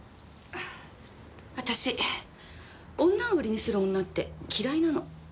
私女を売りにする女って嫌いなの。